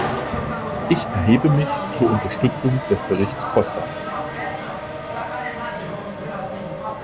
Ich erhebe mich zur Unterstützung des Berichts Costa.